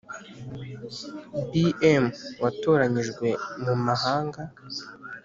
Bm wabatoranyije mu mahanga